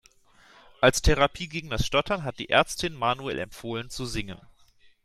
Als Therapie gegen das Stottern hat die Ärztin Manuel empfohlen zu singen.